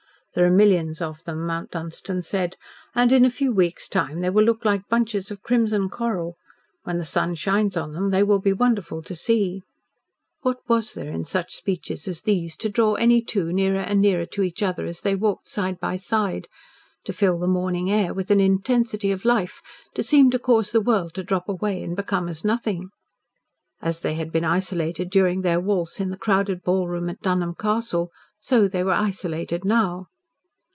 "There are millions of them," Mount Dunstan said, "and in a few weeks' time they will look like bunches of crimson coral. When the sun shines on them they will be wonderful to see." What was there in such speeches as these to draw any two nearer and nearer to each other as they walked side by side to fill the morning air with an intensity of life, to seem to cause the world to drop away and become as nothing? As they had been isolated during their waltz in the crowded ballroom at Dunholm Castle, so they were isolated now.